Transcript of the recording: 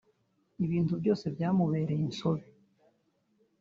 ibintu byose byamubereye insobe